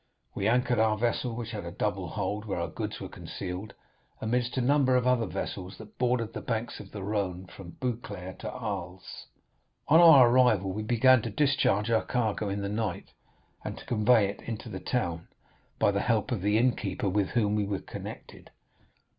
We anchored our vessel—which had a double hold, where our goods were concealed—amidst a number of other vessels that bordered the banks of the Rhône from Beaucaire to Arles. On our arrival we began to discharge our cargo in the night, and to convey it into the town, by the help of the innkeeper with whom we were connected.